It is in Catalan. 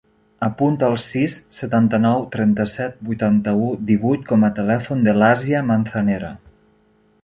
Apunta el sis, setanta-nou, trenta-set, vuitanta-u, divuit com a telèfon de l'Àsia Manzanera.